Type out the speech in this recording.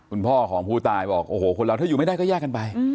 คุณพ่อของผู้ตายบอกโอ้โหคนเราถ้าอยู่ไม่ได้ก็แยกกันไป